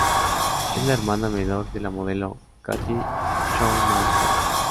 Es la hermana menor de la modelo Kathy Chow Man Kei.